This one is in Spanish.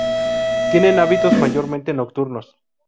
Tienen hábitos mayormente nocturnos.